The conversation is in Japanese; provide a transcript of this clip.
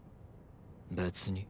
別に。